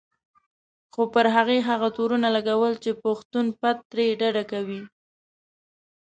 خو پر هغې هغه تورونه لګول چې پښتون پت ترې ډډه کوي.